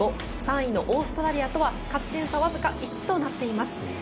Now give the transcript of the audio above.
３位のオーストラリアとは勝ち点差はわずか１となっています。